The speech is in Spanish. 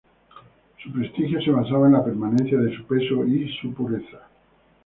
Su prestigio se basaba en la permanencia de su peso y su pureza.